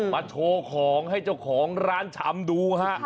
โชว์ของให้เจ้าของร้านชำดูฮะ